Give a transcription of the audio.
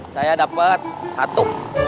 saya dapat satu